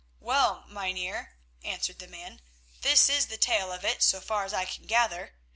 "Well, Mynheer," answered the man, "this is the tale of it so far as I can gather.